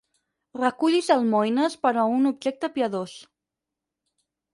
Recullis almoines per a un objecte piadós.